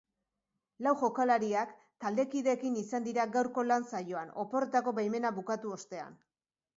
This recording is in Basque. Lau jokalariak taldekideekin izan dira gaurko lan saioan oporretako baimena bukatu ostean.